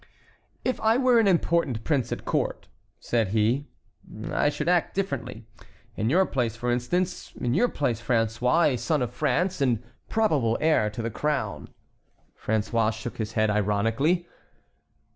"If I were an important prince at court," said he, "I should act differently. In your place, for instance, in your place, François, a son of France, and probable heir to the crown"— François shook his head ironically.